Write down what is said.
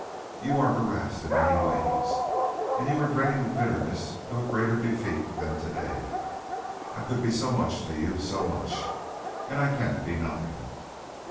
You are harassed in many ways, and you are dreading the bitterness of a greater defeat than today. I could be so much to you so much. And I can be nothing.